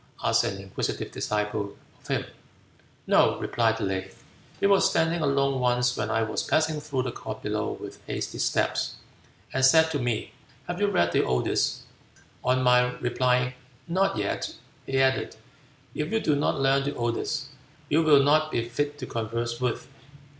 asked an inquisitive disciple of him. "No," replied Le, "he was standing alone once when I was passing through the court below with hasty steps, and said to me, 'Have you read the Odes?' On my replying, 'Not yet,' he added, 'If you do not learn the Odes, you will not be fit to converse with.'